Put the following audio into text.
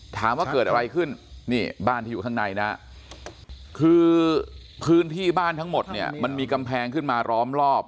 ถามว่าเกิดอะไรขึ้นนี่บ้านที่อยู่ข้างในนะคือพื้นที่บ้านทั้งหมดเนี่ยมันมีกำแพงขึ้นมาร้อมรอบ